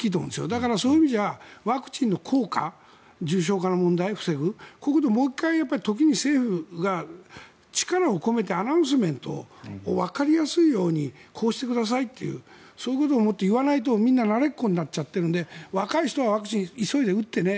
だから、そういう意味ではワクチンの効果、重症化を防ぐここでもう１回特に政府が力を込めてアナウンスメントをわかりやすいようにこうしてくださいということをもっと言わないとみんな慣れっこになっちゃってるので若い人はワクチンを急いで打ってね。